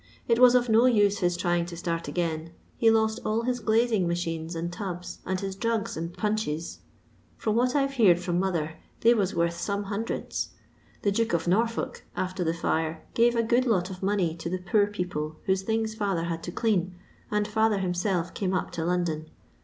It was of no use his trying to start again : he lost all his glaiing machines and tubs, and his drugs and ' punches.' From what I've heerd from mother they was worth some hundreds. The Duke of Norfolk, after the fire, gave a good lot of money to the poor people whose things father had to dean, and fiither him self came up to London.